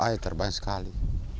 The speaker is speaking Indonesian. ayah terbahaya sekali